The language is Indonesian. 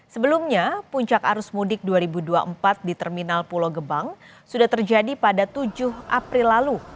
sebelumnya puncak arus mudik dua ribu dua puluh empat di terminal pulau gebang sudah terjadi pada tujuh april lalu